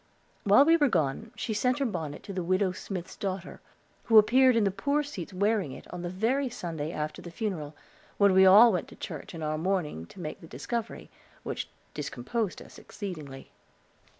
While we were gone she sent her bonnet to the Widow Smith's daughter, who appeared in the Poor Seats wearing it, on the very Sunday after the funeral, when we all went to church in our mourning to make the discovery, which discomposed us exceedingly.